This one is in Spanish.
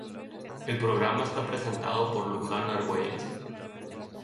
El programa está presentado por Luján Argüelles.